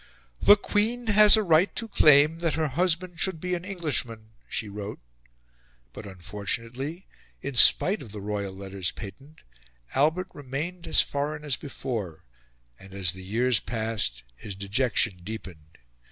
"The Queen has a right to claim that her husband should be an Englishman," she wrote. But unfortunately, in spite of the Royal Letters Patent, Albert remained as foreign as before; and as the years passed his dejection deepened.